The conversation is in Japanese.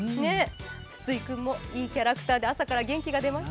筒井君もいいキャラクターで朝から元気が出ました。